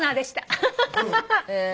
アハハハ。